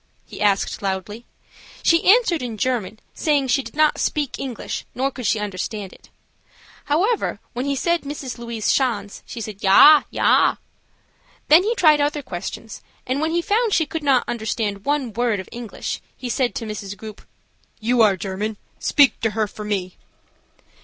he asked, loudly. She answered in German, saying she did not speak English nor could she understand it. However, when he said Mrs. Louise Schanz, she said "Yah, yah." Then he tried other questions, and when he found she could not understand one world of English, he said to Miss Grupe: "You are German; speak to her for me."